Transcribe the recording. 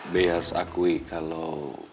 be harus akui kalau